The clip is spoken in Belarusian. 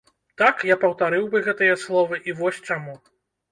Так, я паўтарыў бы гэтыя словы і вось чаму.